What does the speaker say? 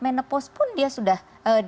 menepus pun dia sudah